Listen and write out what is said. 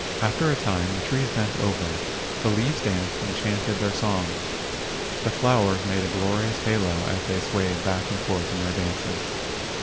After a time the trees bent over, the leaves danced and chanted their songs. The flowers made a glorious halo as they swayed back and forth in their dances.